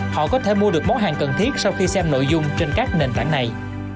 họ có thể mua được món hàng cần thiết sau khi xem nội dung trên các nền tảng này